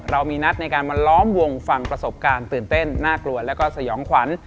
เรามีนัดในการมาล้อมวงฟังประสบการณ์ตื่นเต้นน่ากลัวแล้วก็สยองขวัญ